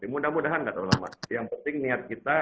mudah mudahan gak terlalu lama yang penting niat kita